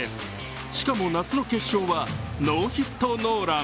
しかも夏の決勝はノーヒットノーラン。